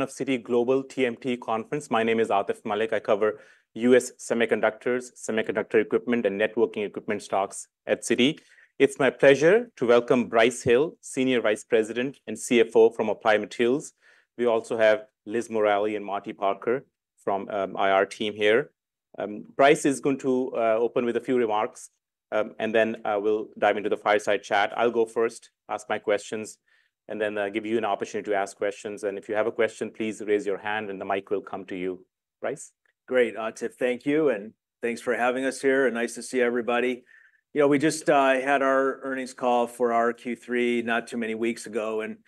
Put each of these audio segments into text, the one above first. Of Citi Global TMT Conference. My name is Atif Malik. I cover U.S. Semiconductors, Semiconductor Equipment, and Networking Equipment Stocks at Citi. It's my pleasure to welcome Brice Hill, Senior Vice President and CFO from Applied Materials. We also have Liz Morali and Marty Parker from IR team here. Brice is going to open with a few remarks, and then we'll dive into the fireside chat. I'll go first, ask my questions, and then give you an opportunity to ask questions. If you have a question, please raise your hand and the mic will come to you. Brice? Great, Atif, thank you, and thanks for having us here, and nice to see everybody. You know, we just had our earnings call for our Q3 not too many weeks ago, and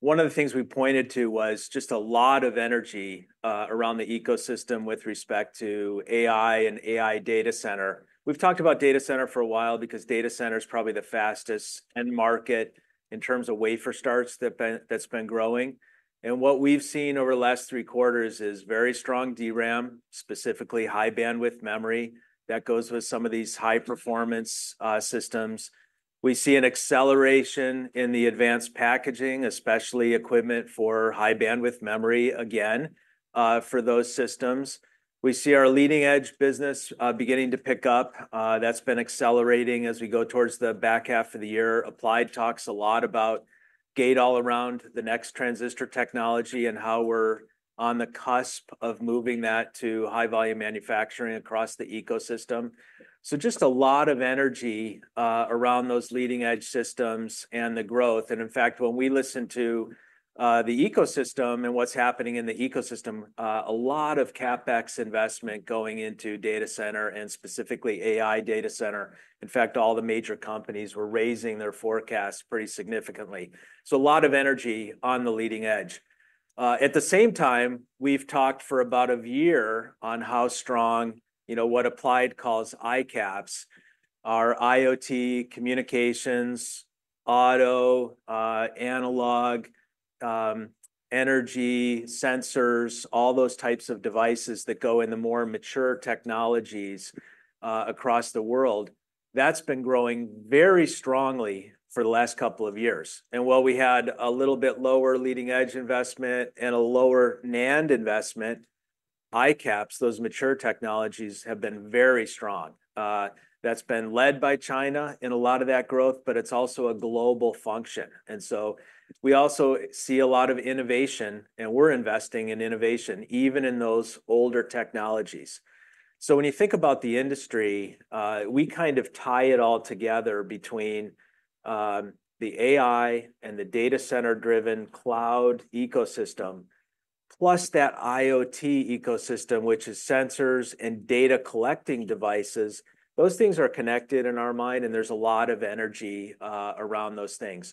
one of the things we pointed to was just a lot of energy around the ecosystem with respect to AI and AI data center. We've talked about data center for a while, because data center is probably the fastest end market in terms of wafer starts that's been growing, and what we've seen over the last three quarters is very strong DRAM, specifically high-bandwidth memory, that goes with some of these high-performance systems. We see an acceleration in the advanced packaging, especially equipment for high-bandwidth memory again for those systems. We see our leading-edge business beginning to pick up. That's been accelerating as we go towards the back half of the year. Applied talks a lot about gate-all-around, the next transistor technology, and how we're on the cusp of moving that to high-volume manufacturing across the ecosystem. So just a lot of energy around those leading-edge systems and the growth. And in fact, when we listen to the ecosystem and what's happening in the ecosystem, a lot of CapEx investment going into data center and specifically AI data center. In fact, all the major companies were raising their forecasts pretty significantly. So a lot of energy on the leading-edge. At the same time, we've talked for about a year on how strong, you know, what Applied calls ICAPS, our IoT, communications, auto, analog, energy, sensors, all those types of devices that go in the more mature technologies across the world. That's been growing very strongly for the last couple of years. And while we had a little bit lower leading-edge investment and a lower NAND investment, ICAPS, those mature technologies, have been very strong. That's been led by China in a lot of that growth, but it's also a global function. And so we also see a lot of innovation, and we're investing in innovation, even in those older technologies. So when you think about the industry, we kind of tie it all together between the AI and the data center-driven cloud ecosystem, plus that IoT ecosystem, which is sensors and data-collecting devices. Those things are connected in our mind, and there's a lot of energy around those things.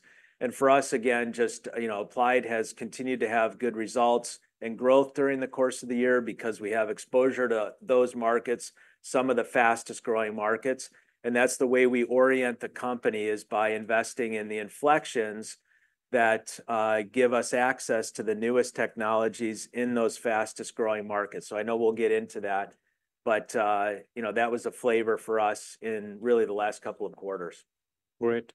For us, again, just, you know, Applied has continued to have good results and growth during the course of the year because we have exposure to those markets, some of the fastest-growing markets. That's the way we orient the company, is by investing in the inflections that give us access to the newest technologies in those fastest-growing markets. I know we'll get into that, but you know, that was a flavor for us in really the last couple of quarters. Great.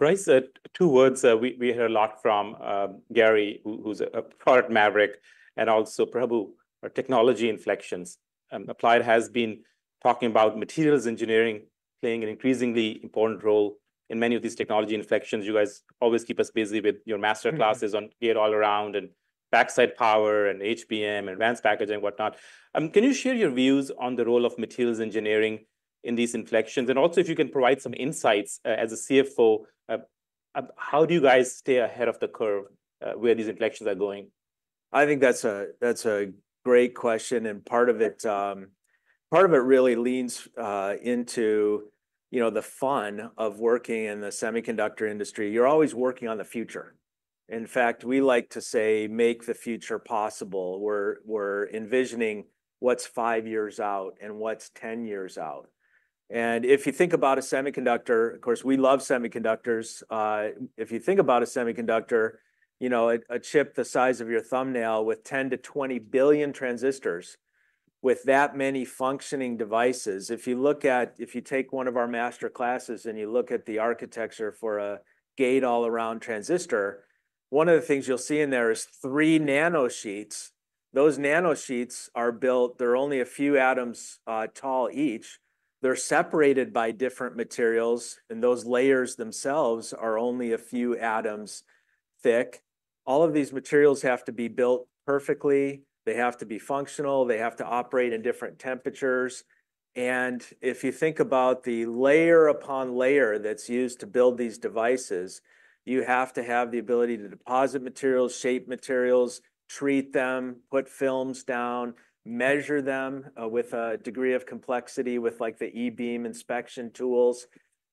Brice, two words that we hear a lot from Gary, who's a product maverick, and also Prabu, are technology inflections. Applied has been talking about materials engineering playing an increasingly important role in many of these technology inflections. You guys always keep us busy with your Master Classes on gate-all-around, and backside power, and HBM, advanced packaging, and whatnot. Can you share your views on the role of materials engineering in these inflections? And also, if you can provide some insights, as a CFO, how do you guys stay ahead of the curve, where these inflections are going? I think that's a great question, and part of it really leans into you know the fun of working in the semiconductor industry. You're always working on the future. In fact, we like to say, "Make the future possible." We're envisioning what's five years out and what's 10 years out. And if you think about a semiconductor, of course, we love semiconductors. If you think about a semiconductor, you know, a chip the size of your thumbnail with 10-20 billion transistors, with that many functioning devices, if you look at. If you take one of our Master Classes and you look at the architecture for a gate-all-around transistor, one of the things you'll see in there is three nanosheets. Those nanosheets are built, they're only a few atoms tall each. They're separated by different materials, and those layers themselves are only a few atoms thick. All of these materials have to be built perfectly. They have to be functional. They have to operate in different temperatures. And if you think about the layer upon layer that's used to build these devices, you have to have the ability to deposit materials, shape materials, treat them, put films down, measure them with a degree of complexity, with, like, the eBeam inspection tools.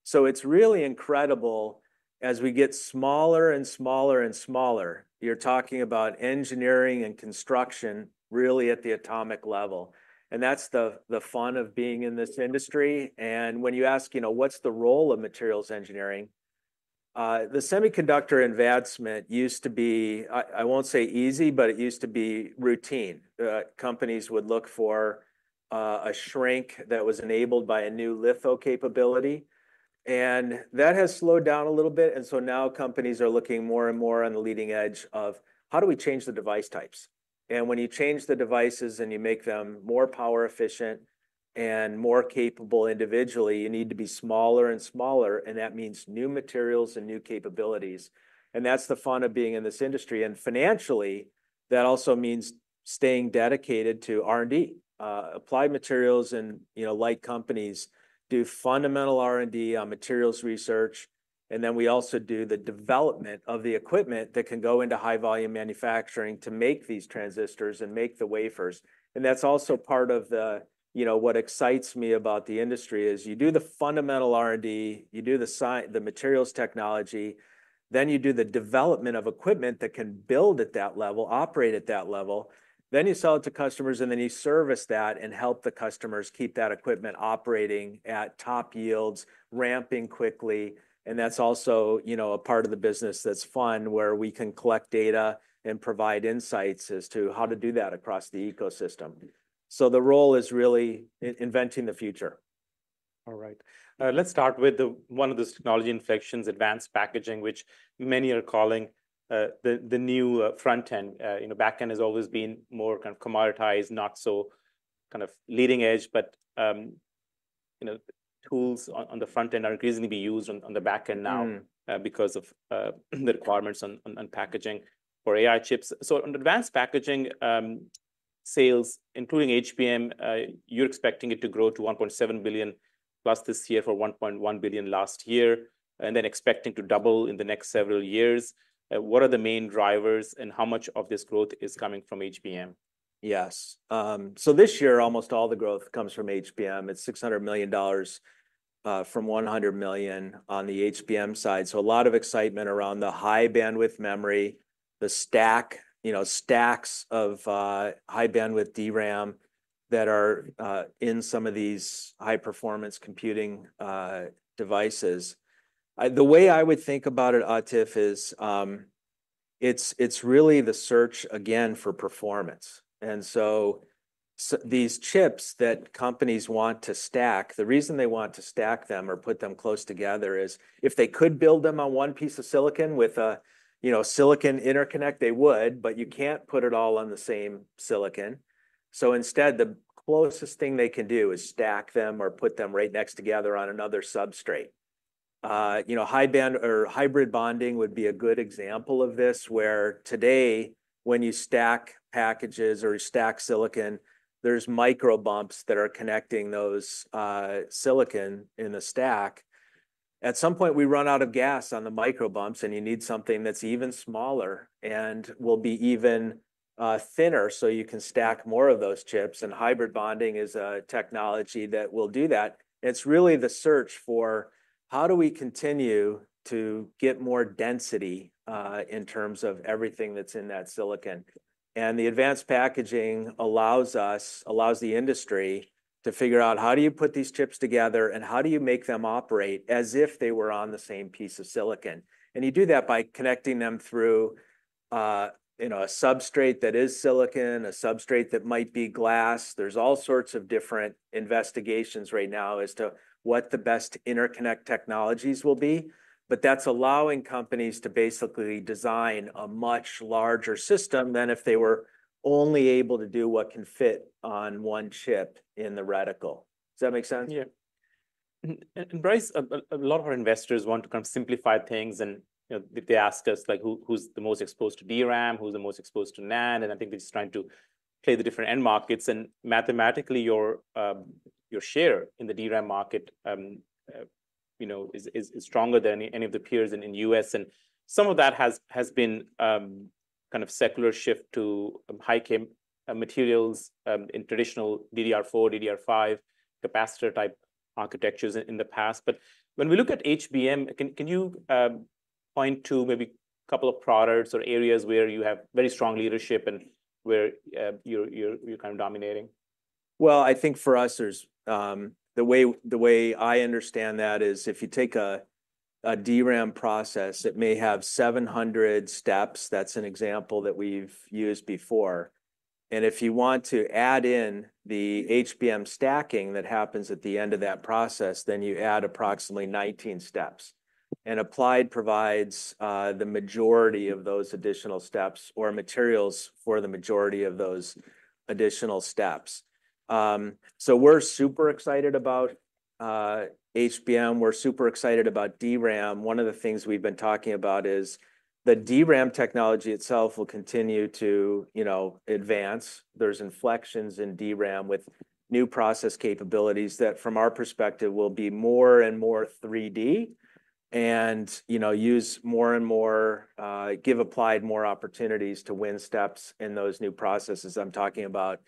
So it's really incredible as we get smaller and smaller and smaller. You're talking about engineering and construction really at the atomic level, and that's the fun of being in this industry. And when you ask, you know, "What's the role of materials engineering?" The semiconductor advancement used to be. I won't say easy, but it used to be routine. Companies would look for-... A shrink that was enabled by a new litho capability, and that has slowed down a little bit. Companies are looking more and more on the leading-edge of how do we change the device types? When you change the devices and you make them more power efficient and more capable individually, you need to be smaller and smaller, and that means new materials and new capabilities. That's the fun of being in this industry. Financially, that also means staying dedicated to R&D. Applied Materials and, you know, like companies, do fundamental R&D on materials research, and then we also do the development of the equipment that can go into high-volume manufacturing to make these transistors and make the wafers. And that's also part of, you know, what excites me about the industry is you do the fundamental R&D, you do the materials technology, then you do the development of equipment that can build at that level, operate at that level. Then you sell it to customers, and then you service that and help the customers keep that equipment operating at top yields, ramping quickly. And that's also, you know, a part of the business that's fun, where we can collect data and provide insights as to how to do that across the ecosystem. So the role is really inventing the future. All right. Let's start with one of the technology inflections, advanced packaging, which many are calling the new front end. You know, back end has always been more kind of commoditized, not so kind of leading-edge, but you know, tools on the front end are increasingly being used on the back end now. Mm. Because of the requirements on packaging for AI chips. So on advanced packaging sales, including HBM, you're expecting it to grow to $1.7 billion plus this year, for $1.1 billion last year, and then expecting to double in the next several years. What are the main drivers, and how much of this growth is coming from HBM? Yes, so this year, almost all the growth comes from HBM. It's $600 million from $100 million on the HBM side, so a lot of excitement around the high-bandwidth memory, the stack, you know, stacks of high-bandwidth DRAM that are in some of these high-performance computing devices. The way I would think about it, Atif, is, it's really the search again for performance. And so these chips that companies want to stack, the reason they want to stack them or put them close together is, if they could build them on one piece of silicon with a, you know, silicon interconnect, they would, but you can't put it all on the same silicon. So instead, the closest thing they can do is stack them or put them right next together on another substrate. You know, hybrid bonding would be a good example of this, where today, when you stack packages or you stack silicon, there's microbumps that are connecting those silicon in a stack. At some point, we run out of gas on the microbumps, and you need something that's even smaller and will be even thinner, so you can stack more of those chips, and hybrid bonding is a technology that will do that. It's really the search for: how do we continue to get more density in terms of everything that's in that silicon? And the advanced packaging allows us, allows the industry to figure out, how do you put these chips together, and how do you make them operate as if they were on the same piece of silicon? You do that by connecting them through, you know, a substrate that is silicon, a substrate that might be glass. There's all sorts of different investigations right now as to what the best interconnect technologies will be, but that's allowing companies to basically design a much larger system than if they were only able to do what can fit on one chip in the reticle. Does that make sense? Yeah. And Brice, a lot of our investors want to kind of simplify things, and, you know, they ask us, like, who’s the most exposed to DRAM, who’s the most exposed to NAND? And I think they’re just trying to play the different end markets. And mathematically, your share in the DRAM market, you know, is stronger than any of the peers in the U.S., and some of that has been kind of secular shift to high-k materials in traditional DDR4, DDR5 capacitor-type architectures in the past. But when we look at HBM, can you point to maybe a couple of products or areas where you have very strong leadership and where you’re kind of dominating? I think for us, there's the way I understand that is, if you take a DRAM process, it may have seven hundred steps. That's an example that we've used before. And if you want to add in the HBM stacking that happens at the end of that process, then you add approximately nineteen steps. And Applied provides the majority of those additional steps or materials for the majority of those additional steps. So we're super excited about HBM. We're super excited about DRAM. One of the things we've been talking about is the DRAM technology itself will continue to, you know, advance. There's inflections in DRAM with new process capabilities that, from our perspective, will be more and more 3D and, you know, use more and more give Applied more opportunities to win steps in those new processes. I'm talking about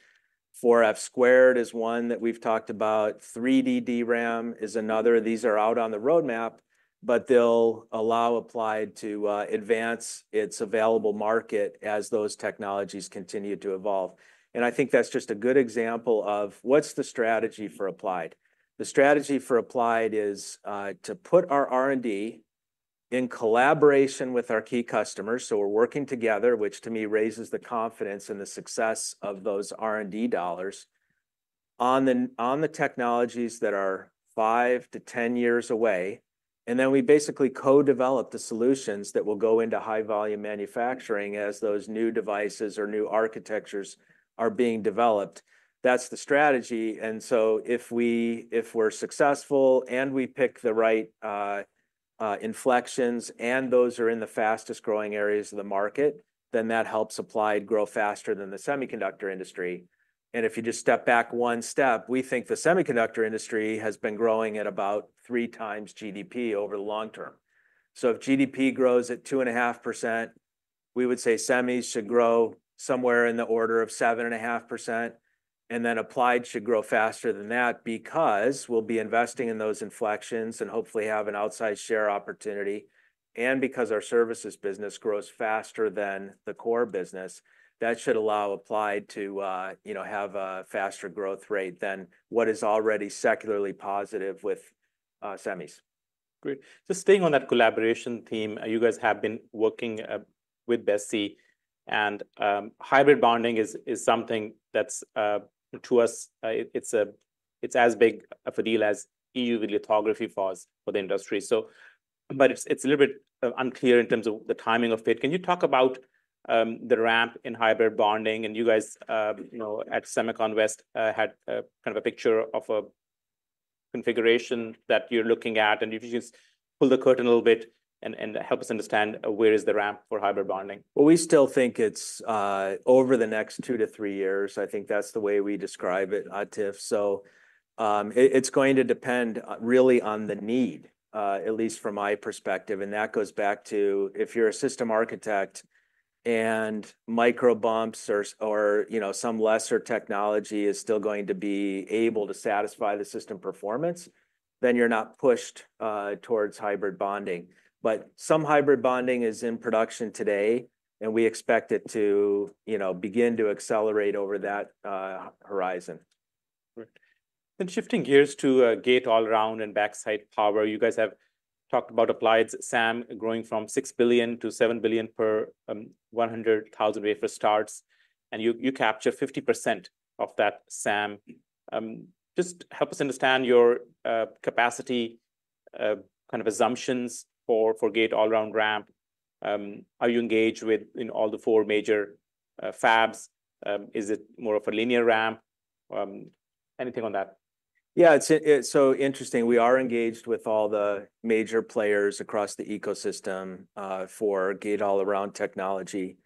4F squared is one that we've talked about, 3D DRAM is another. These are out on the roadmap, but they'll allow Applied to advance its available market as those technologies continue to evolve. And I think that's just a good example of what's the strategy for Applied. The strategy for Applied is to put our R&D in collaboration with our key customers, so we're working together, which to me raises the confidence and the success of those R&D dollars on the technologies that are five to 10 years away. And then we basically co-develop the solutions that will go into high-volume manufacturing as those new devices or new architectures are being developed. That's the strategy, and so if we, if we're successful, and we pick the right inflections, and those are in the fastest-growing areas of the market, then that helps Applied grow faster than the semiconductor industry. And if you just step back one step, we think the semiconductor industry has been growing at about 3x GDP over the long term. So if GDP grows at 2.5%, we would say semis should grow somewhere in the order of 7.5%, and then Applied should grow faster than that because we'll be investing in those inflections and hopefully have an outsized share opportunity. And because our services business grows faster than the core business, that should allow Applied to, you know, have a faster growth rate than what is already secularly positive with semis. Great. Just staying on that collaboration theme, you guys have been working with BESI, and hybrid bonding is something that's to us, it's as big of a deal as EUV lithography was for the industry. So, but it's a little bit unclear in terms of the timing of it. Can you talk about the ramp in hybrid bonding? And you guys, you know, at SEMICON West had kind of a picture of a configuration that you're looking at, and if you just pull the curtain a little bit and help us understand where is the ramp for hybrid bonding. We still think it's over the next two to three years. I think that's the way we describe it, Atif. It's going to depend really on the need, at least from my perspective, and that goes back to if you're a system architect, and microbumps or, you know, some lesser technology is still going to be able to satisfy the system performance, then you're not pushed towards hybrid bonding. But some hybrid bonding is in production today, and we expect it to, you know, begin to accelerate over that horizon. Great. Then shifting gears to gate-all-around and backside power, you guys have talked about Applied's SAM growing from 6 billion to 7 billion per 100 wafer starts, and you capture 50% of that SAM. Just help us understand your capacity kind of assumptions for gate-all-around ramp. Are you engaged with, you know, all the four major fabs? Is it more of a linear ramp? Anything on that? Yeah, it's, it's so interesting. We are engaged with all the major players across the ecosystem, for gate-all-around technology.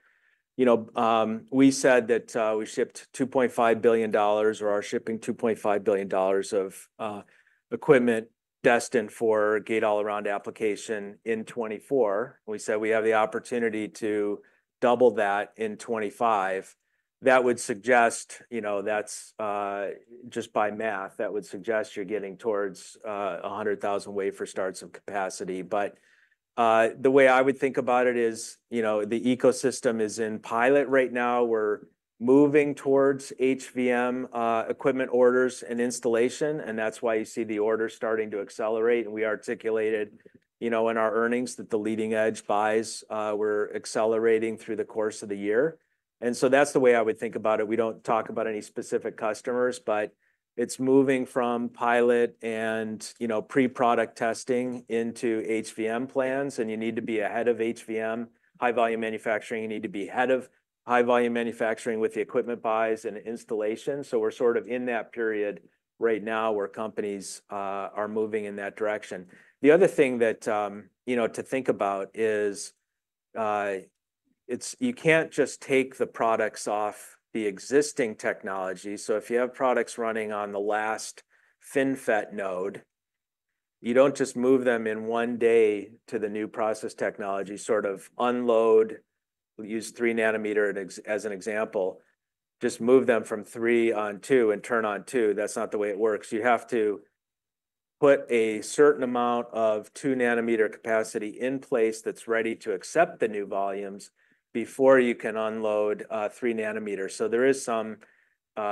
You know, we said that, we shipped $2.5 billion, or are shipping $2.5 billion of, equipment destined for gate-all-around application in 2024. We said we have the opportunity to double that in 2025. That would suggest, you know, that's, just by math, that would suggest you're getting towards, 100,000 wafer starts of capacity. But, the way I would think about it is, you know, the ecosystem is in pilot right now. We're moving towards HVM, equipment orders and installation, and that's why you see the orders starting to accelerate. And we articulated, you know, in our earnings that the leading-edge buys, were accelerating through the course of the year. And so that's the way I would think about it. We don't talk about any specific customers, but it's moving from pilot and, you know, pre-product testing into HVM plans, and you need to be ahead of HVM, high volume manufacturing. You need to be ahead of high-volume manufacturing with the equipment buys and installation. So we're sort of in that period right now, where companies are moving in that direction. The other thing that, you know, to think about is, it's you can't just take the products off the existing technology. So if you have products running on the last FinFET node, you don't just move them in one day to the new process technology. We'll use three nanometer as an example. Just move them from three on two and turn on two. That's not the way it works. You have to put a certain amount of 2-nanometer capacity in place that's ready to accept the new volumes before you can unload three nanometers. So there is some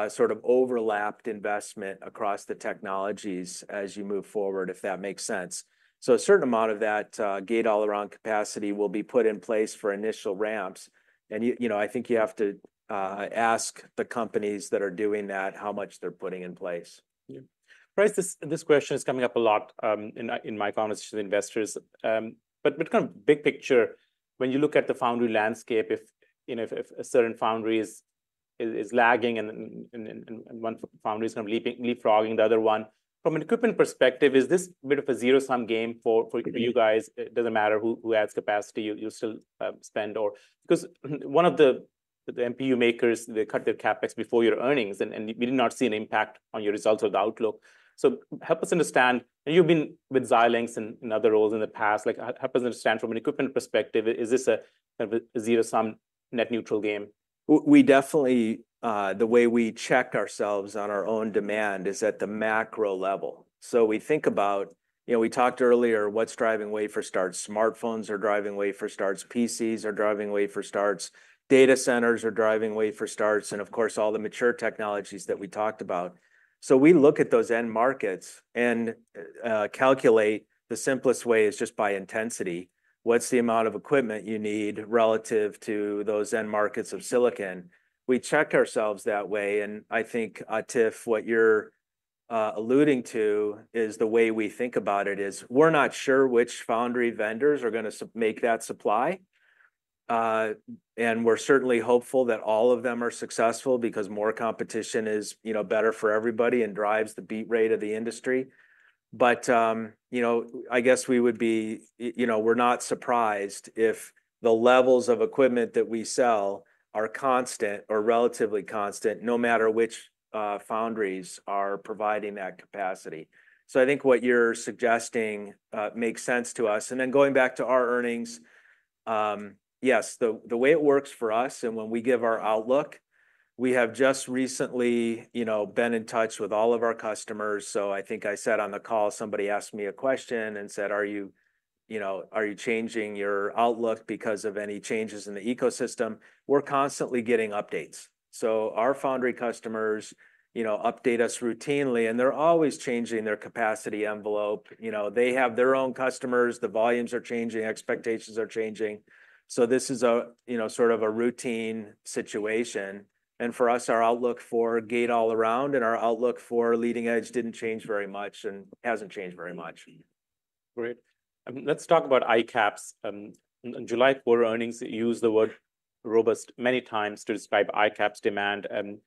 sort of overlapped investment across the technologies as you move forward, if that makes sense. So a certain amount of that gate-all-around capacity will be put in place for initial ramps. And you know, I think you have to ask the companies that are doing that, how much they're putting in place. Yeah. Brice, this question is coming up a lot in my conversations with investors. But kind of big picture, when you look at the foundry landscape, if you know, if a certain foundry is lagging and one foundry is kind of leapfrogging the other one, from an equipment perspective, is this a bit of a zero-sum game for you guys? It doesn't matter who adds capacity, you still spend or... Because one of the MPU makers, they cut their CapEx before your earnings, and we did not see an impact on your results or the outlook. So help us understand, and you've been with Xilinx and in other roles in the past, like, help us understand from an equipment perspective, is this a kind of a zero-sum net neutral game? We definitely, the way we check ourselves on our own demand is at the macro level. So we think about, you know, we talked earlier, what's driving wafer starts? Smartphones are driving wafer starts, PCs are driving wafer starts, data centers are driving wafer starts, and of course, all the mature technologies that we talked about. So we look at those end markets and calculate the simplest way is just by intensity. What's the amount of equipment you need relative to those end markets of silicon? We check ourselves that way, and I think, Atif, what you're alluding to is the way we think about it, is we're not sure which foundry vendors are gonna make that supply. And we're certainly hopeful that all of them are successful because more competition is, you know, better for everybody and drives the beat rate of the industry. But, you know, I guess we would be, you know, we're not surprised if the levels of equipment that we sell are constant or relatively constant, no matter which foundries are providing that capacity. So I think what you're suggesting makes sense to us. And then going back to our earnings, yes, the way it works for us, and when we give our outlook, we have just recently, you know, been in touch with all of our customers. So I think I said on the call, somebody asked me a question and said: "Are you, you know, are you changing your outlook because of any changes in the ecosystem?" We're constantly getting updates, so our foundry customers, you know, update us routinely, and they're always changing their capacity envelope. You know, they have their own customers. The volumes are changing, expectations are changing. So this is a, you know, sort of a routine situation, and for us, our outlook for gate-all-around and our outlook for leading-edge didn't change very much and hasn't changed very much. Great. Let's talk about ICAPS. In July quarter earnings, you used the word robust many times to describe ICAPS demand. And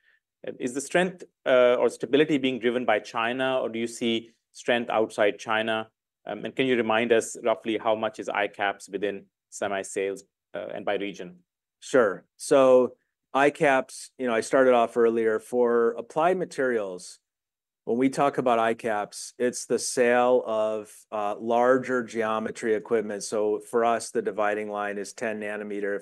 is the strength or stability being driven by China, or do you see strength outside China? And can you remind us roughly how much is ICAPS within semi sales, and by region? Sure. So ICAPS, you know, I started off earlier, for Applied Materials, when we talk about ICAPS, it's the sale of larger geometry equipment. So for us, the dividing line is 10 nanometer.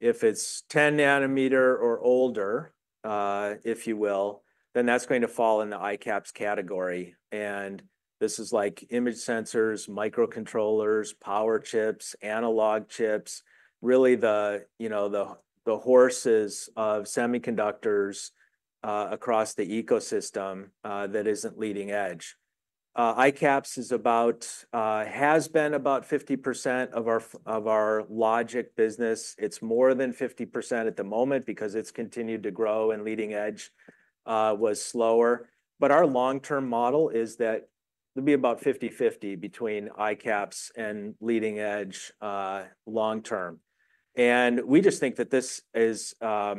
If it's 10 nanometer or older, if you will, then that's going to fall in the ICAPS category. And this is like image sensors, microcontrollers, power chips, analog chips. Really the, you know, horses of semiconductors across the ecosystem that isn't leading-edge. ICAPS is about, has been about 50% of our logic business. It's more than 50% at the moment because it's continued to grow and leading-edge was slower. But our long-term model is that it'll be about 50-50 between ICAPS and leading-edge long term. And we just think that this is a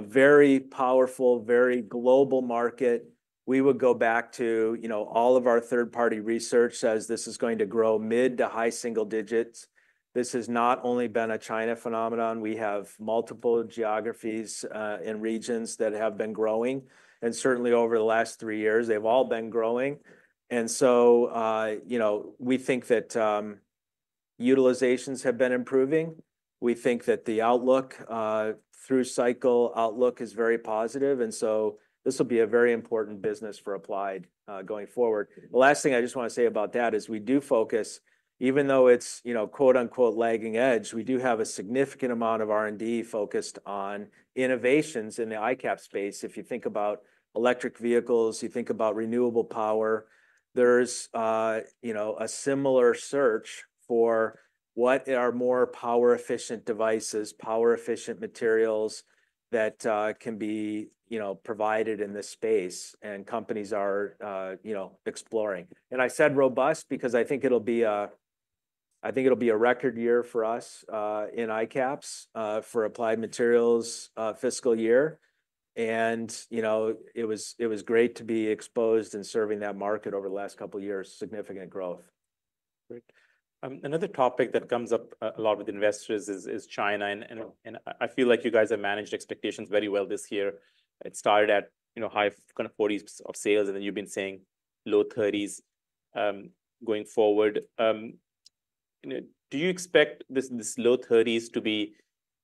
very powerful, very global market. We would go back to, you know, all of our third-party research says this is going to grow mid to high single digits. This has not only been a China phenomenon. We have multiple geographies and regions that have been growing, and certainly over the last three years, they've all been growing. And so, you know, we think that utilizations have been improving. We think that the outlook through cycle outlook is very positive, and so this will be a very important business for Applied going forward. The last thing I just want to say about that is, we do focus, even though it's, you know, quote, unquote, "lagging edge," we do have a significant amount of R&D focused on innovations in the ICAPS space. If you think about electric vehicles, you think about renewable power, there's you know a similar search for what are more power-efficient devices, power-efficient materials that can be you know provided in this space, and companies are you know exploring. I said robust because I think it'll be a record year for us in ICAPS for Applied Materials' fiscal year. You know, it was great to be exposed and serving that market over the last couple of years. Significant growth. Great. Another topic that comes up a lot with investors is China, and I feel like you guys have managed expectations very well this year. It started at, you know, high kind of forties of sales, and then you've been saying low thirties going forward. You know, do you expect this low thirties to be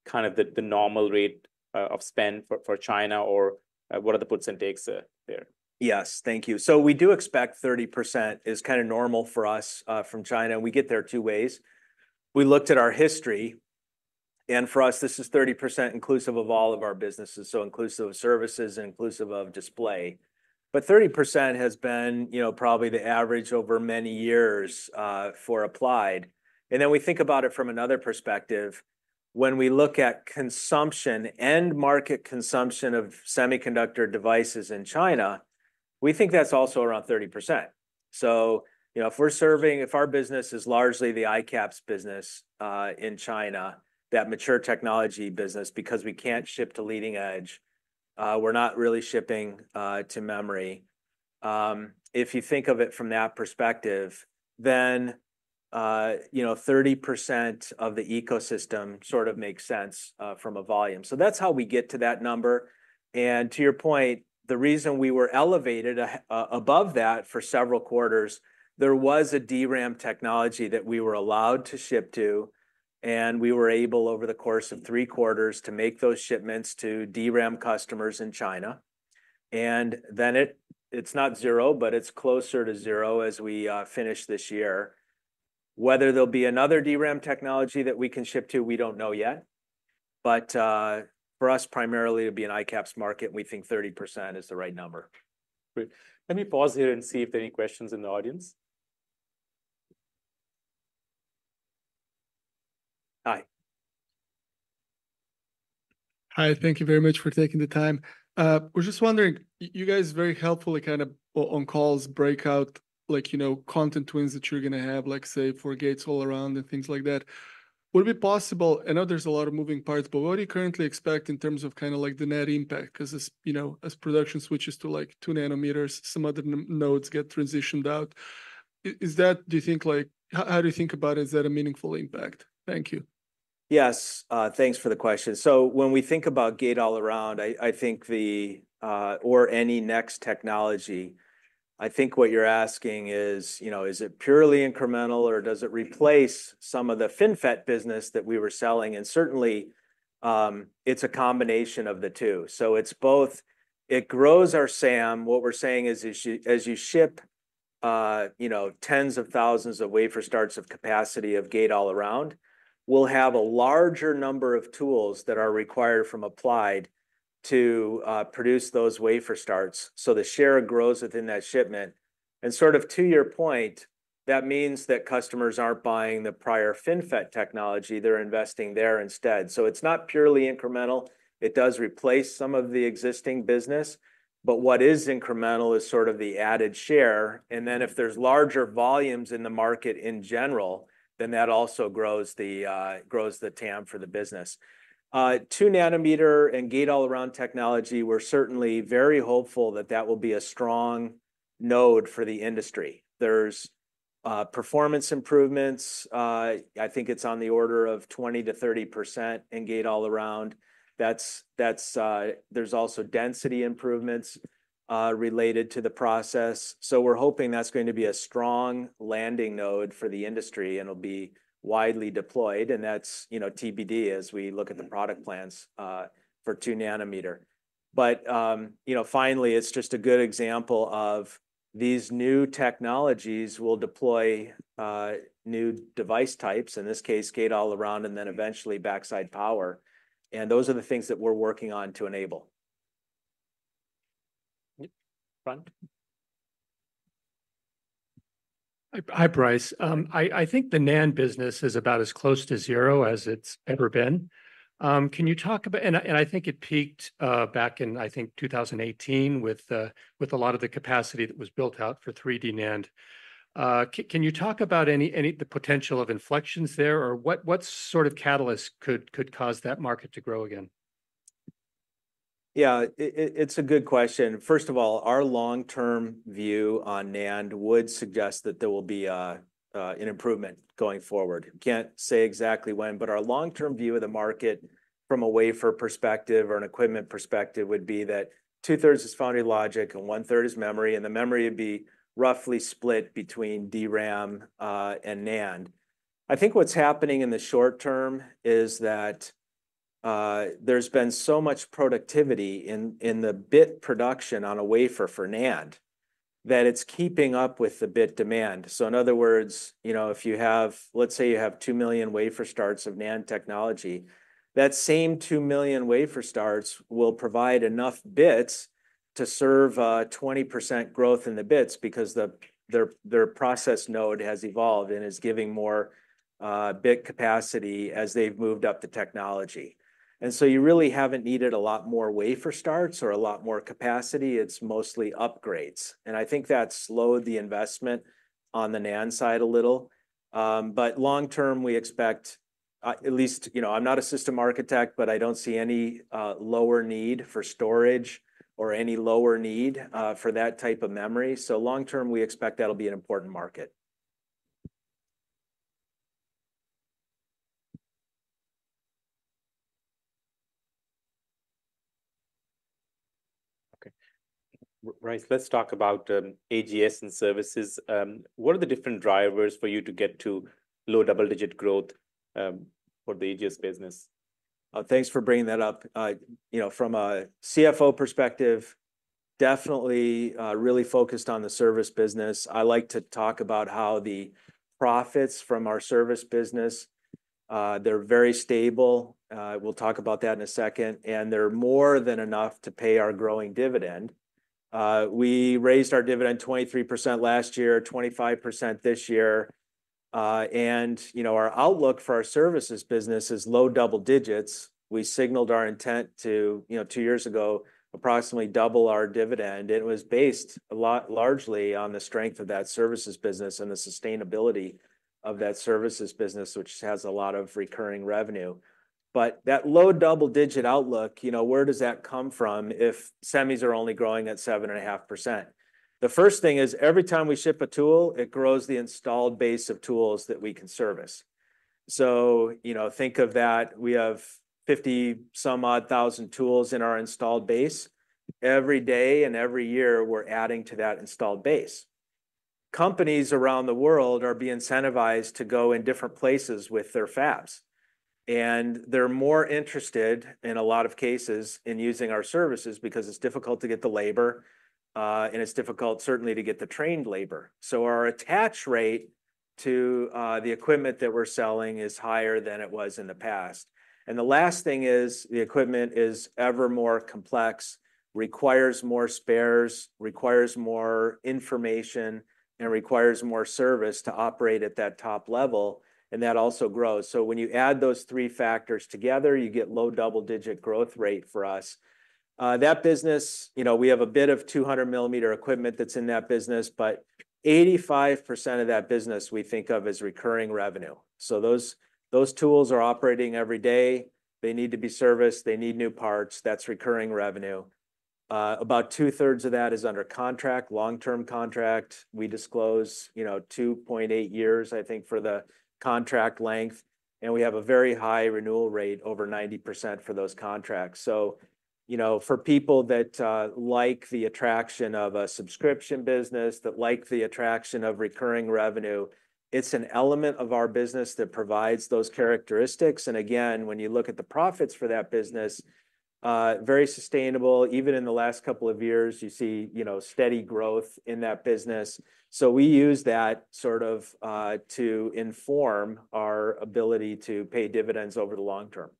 kind of the normal rate of spend for China, or what are the puts and takes there? Yes. Thank you, so we do expect 30% is kind of normal for us from China, and we get there two ways. We looked at our history, and for us, this is 30% inclusive of all of our businesses, so inclusive of services and inclusive of display. But 30% has been, you know, probably the average over many years for Applied. And then we think about it from another perspective. When we look at consumption, end market consumption of semiconductor devices in China, we think that's also around 30%. So, you know, if our business is largely the ICAPS business in China, that mature technology business, because we can't ship to leading-edge, we're not really shipping to memory. If you think of it from that perspective, then, you know, 30% of the ecosystem sort of makes sense, from a volume. So that's how we get to that number. And to your point, the reason we were elevated a, above that for several quarters, there was a DRAM technology that we were allowed to ship to, and we were able, over the course of three quarters, to make those shipments to DRAM customers in China. And then it, it's not zero, but it's closer to zero as we, finish this year. Whether there'll be another DRAM technology that we can ship to, we don't know yet, but, for us, primarily, it'd be an ICAPS market, and we think 30% is the right number. Great. Let me pause here and see if there are any questions in the audience. Hi. Hi, thank you very much for taking the time. We're just wondering, you guys very helpfully, kind of, on calls, break out, like, you know, content wins that you're gonna have, like, say, for gate-all-around and things like that. Would it be possible, I know there's a lot of moving parts, but what do you currently expect in terms of kind of like the net impact? Because as, you know, as production switches to, like, 2 nanometers, some other nodes get transitioned out. Is that, do you think, like... How do you think about, is that a meaningful impact? Thank you. Yes, thanks for the question. So when we think about gate-all-around, I think the or any next technology, I think what you're asking is, you know, is it purely incremental, or does it replace some of the FinFET business that we were selling? And certainly, it's a combination of the two, so it's both. It grows our SAM. What we're saying is, as you ship, you know, tens of thousands of wafer starts of capacity of gate-all-around, we'll have a larger number of tools that are required from Applied to produce those wafer starts, so the share grows within that shipment. And sort of to your point, that means that customers aren't buying the prior FinFET technology. They're investing there instead. So it's not purely incremental. It does replace some of the existing business, but what is incremental is sort of the added share, and then if there's larger volumes in the market in general, then that also grows the TAM for the business. 2-nanometer and gate-all-around technology, we're certainly very hopeful that that will be a strong node for the industry. There's performance improvements. I think it's on the order of 20%-30% in gate-all-around. That's, there's also density improvements related to the process. So we're hoping that's going to be a strong landing node for the industry, and it'll be widely deployed, and that's, you know, TBD as we look at the product plans for 2-nanometer. But, you know, finally, it's just a good example of these new technologies. We'll deploy new device types, in this case, gate-all-around, and then eventually backside power, and those are the things that we're working on to enable. Front. Hi, Brice. I think the NAND business is about as close to zero as it's ever been. And I think it peaked back in 2018 with a lot of the capacity that was built out for 3D NAND. Can you talk about any of the potential of inflections there, or what sort of catalyst could cause that market to grow again? Yeah, it's a good question. First of all, our long-term view on NAND would suggest that there will be an improvement going forward. Can't say exactly when, but our long-term view of the market from a wafer perspective or an equipment perspective would be that two-thirds is foundry logic and one-third is memory, and the memory would be roughly split between DRAM and NAND. I think what's happening in the short term is that there's been so much productivity in the bit production on a wafer for NAND that it's keeping up with the bit demand. So in other words, you know, if you have, let's say you have 2 million wafer starts of NAND technology, that same 2 million wafer starts will provide enough bits to serve 20% growth in the bits because their process node has evolved and is giving more bit capacity as they've moved up the technology. And so you really haven't needed a lot more wafer starts or a lot more capacity. It's mostly upgrades, and I think that's slowed the investment on the NAND side a little. But long term, we expect at least, you know, I'm not a system architect, but I don't see any lower need for storage or any lower need for that type of memory. So long term, we expect that'll be an important market. Okay. Brice, let's talk about AGS and services. What are the different drivers for you to get to low double-digit growth for the AGS business? Thanks for bringing that up. You know, from a CFO perspective, definitely, really focused on the service business. I like to talk about how the profits from our service business, they're very stable, we'll talk about that in a second, and they're more than enough to pay our growing dividend. We raised our dividend 23% last year, 25% this year, and, you know, our outlook for our services business is low double digits. We signaled our intent to, you know, two years ago, approximately double our dividend, and it was based a lot, largely on the strength of that services business and the sustainability of that services business, which has a lot of recurring revenue. But that low double-digit outlook, you know, where does that come from if semis are only growing at 7.5%? The first thing is, every time we ship a tool, it grows the installed base of tools that we can service. So, you know, think of that. We have fifty-some-odd thousand tools in our installed base. Every day and every year, we're adding to that installed base. Companies around the world are being incentivized to go in different places with their fabs, and they're more interested, in a lot of cases, in using our services because it's difficult to get the labor, and it's difficult, certainly, to get the trained labor. So our attach rate to the equipment that we're selling is higher than it was in the past. And the last thing is, the equipment is ever more complex, requires more spares, requires more information, and requires more service to operate at that top level, and that also grows. So when you add those three factors together, you get low double-digit growth rate for us. That business, you know, we have a bit of 200-millimeter equipment that's in that business, but 85% of that business we think of as recurring revenue. So those tools are operating every day. They need to be serviced, they need new parts. That's recurring revenue. About two-thirds of that is under contract, long-term contract. We disclose, you know, 2.8 years, I think, for the contract length, and we have a very high renewal rate, over 90% for those contracts. So, you know, for people that like the attraction of a subscription business, that like the attraction of recurring revenue, it's an element of our business that provides those characteristics. And again, when you look at the profits for that business, very sustainable. Even in the last couple of years, you see, you know, steady growth in that business. So we use that sort of to inform our ability to pay dividends over the long term.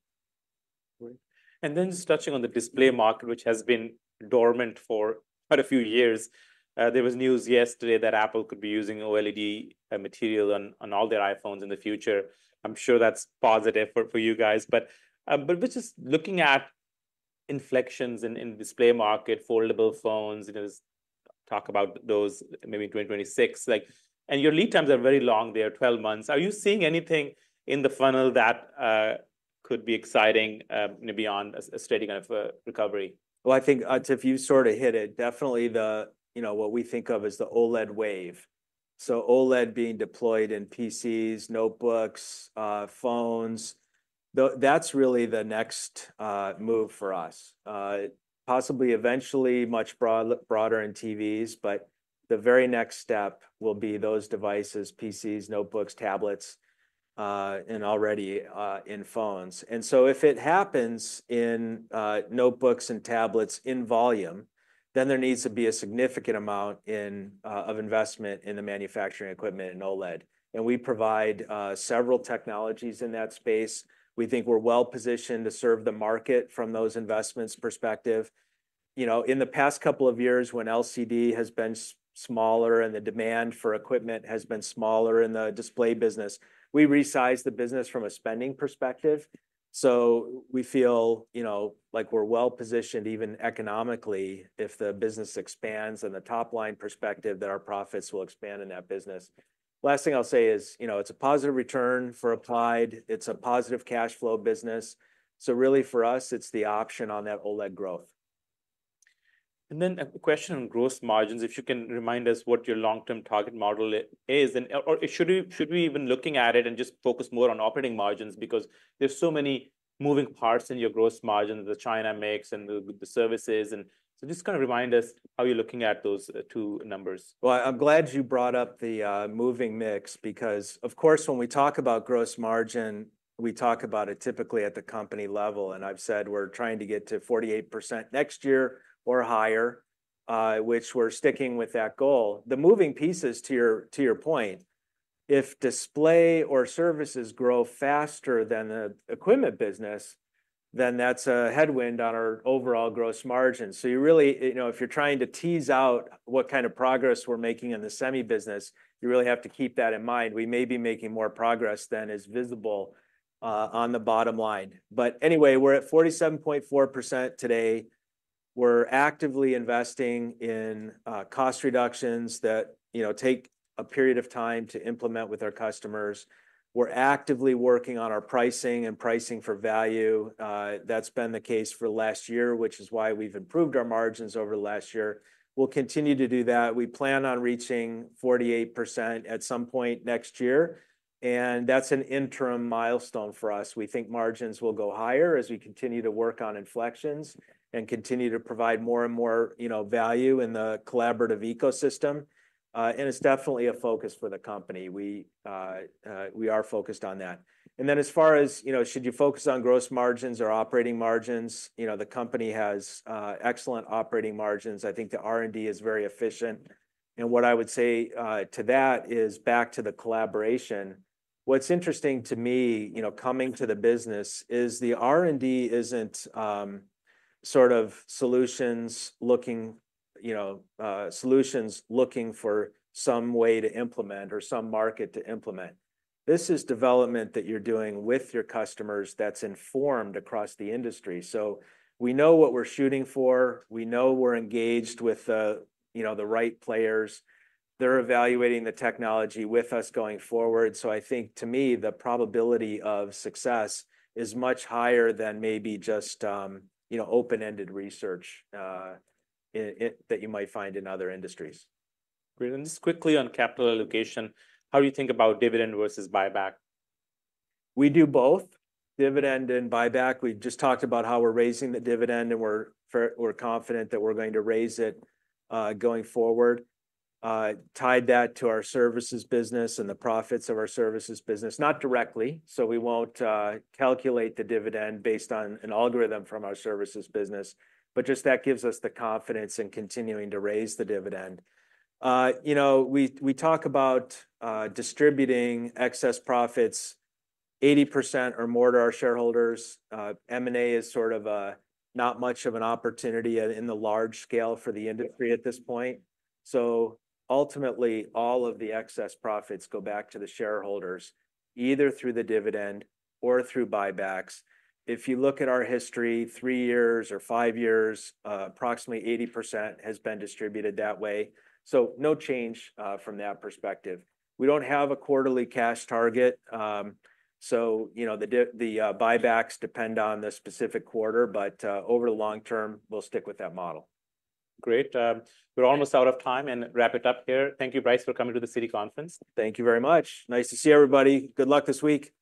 Great. And then, just touching on the display market, which has been dormant for quite a few years. There was news yesterday that Apple could be using OLED material on all their iPhones in the future. I'm sure that's positive for you guys, but we're just looking at inflections in the display market, foldable phones, you know, there's talk about those maybe in 2026. Like, and your lead times are very long, they are 12 months. Are you seeing anything in the funnel that could be exciting, maybe on a steady kind of recovery? I think, Atif, you sort of hit it. Definitely the, you know, what we think of as the OLED wave. OLED being deployed in PCs, notebooks, phones, that's really the next move for us. Possibly eventually broader in TVs, but the very next step will be those devices: PCs, notebooks, tablets, and already in phones. And so if it happens in notebooks and tablets in volume, then there needs to be a significant amount of investment in the manufacturing equipment in OLED, and we provide several technologies in that space. We think we're well positioned to serve the market from those investments perspective. You know, in the past couple of years, when LCD has been smaller and the demand for equipment has been smaller in the display business, we resized the business from a spending perspective. So we feel, you know, like we're well positioned, even economically, if the business expands and the top-line perspective, that our profits will expand in that business. Last thing I'll say is, you know, it's a positive return for Applied, it's a positive cash flow business, so really for us, it's the option on that OLED growth. A question on gross margins, if you can remind us what your long-term target model is, and or, should we even looking at it and just focus more on operating margins? Because there's so many moving parts in your gross margin, the China mix and the services, and so just kind of remind us how you're looking at those two numbers. I'm glad you brought up the moving mix, because, of course, when we talk about gross margin, we talk about it typically at the company level, and I've said we're trying to get to 48% next year, or higher, which we're sticking with that goal. The moving pieces, to your point, if display or services grow faster than the equipment business, then that's a headwind on our overall gross margin. So you really, you know, if you're trying to tease out what kind of progress we're making in the semi business, you really have to keep that in mind. We may be making more progress than is visible on the bottom line. But anyway, we're at 47.4% today. We're actively investing in cost reductions that, you know, take a period of time to implement with our customers. We're actively working on our pricing for value. That's been the case for last year, which is why we've improved our margins over last year. We'll continue to do that. We plan on reaching 48% at some point next year, and that's an interim milestone for us. We think margins will go higher as we continue to work on inflections and continue to provide more and more, you know, value in the collaborative ecosystem. And it's definitely a focus for the company. We are focused on that. And then as far as, you know, should you focus on gross margins or operating margins, you know, the company has excellent operating margins. I think the R&D is very efficient. And what I would say to that is back to the collaboration. What's interesting to me, you know, coming to the business is the R&D isn't sort of solutions looking for some way to implement or some market to implement. This is development that you're doing with your customers that's informed across the industry. So we know what we're shooting for, we know we're engaged with, you know, the right players. They're evaluating the technology with us going forward, so I think to me, the probability of success is much higher than maybe just, you know, open-ended research that you might find in other industries. Great. And just quickly on capital allocation, how do you think about dividend versus buyback? We do both dividend and buyback. We just talked about how we're raising the dividend, and we're confident that we're going to raise it going forward. Tied that to our services business and the profits of our services business. Not directly, so we won't calculate the dividend based on an algorithm from our services business, but just that gives us the confidence in continuing to raise the dividend. You know, we talk about distributing excess profits 80% or more to our shareholders. M&A is sort of not much of an opportunity in the large scale for the industry at this point. So ultimately, all of the excess profits go back to the shareholders, either through the dividend or through buybacks. If you look at our history, three years or five years, approximately 80% has been distributed that way, so no change from that perspective. We don't have a quarterly cash target, so, you know, the buybacks depend on the specific quarter, but, over the long term, we'll stick with that model. Great. We're almost out of time and wrap it up here. Thank you, Brice, for coming to the Citi Conference. Thank you very much. Nice to see everybody. Good luck this week!